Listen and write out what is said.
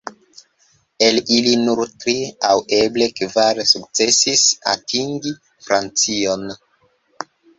El ili nur tri, aŭ eble kvar, sukcesis atingi Francion.